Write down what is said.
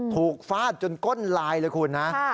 ฟาดจนก้นลายเลยคุณนะ